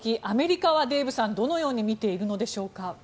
アメリカは、デーブさんどのように見ているのでしょうか？